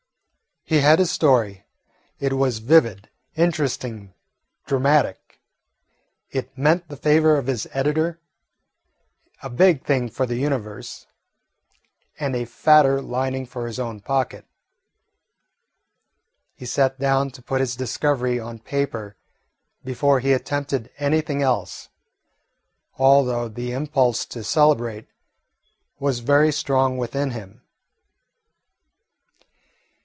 He had his story. It was vivid, interesting, dramatic. It meant the favour of his editor, a big thing for the Universe, and a fatter lining for his own pocket. He sat down to put his discovery on paper before he attempted anything else, although the impulse to celebrate was very strong within him.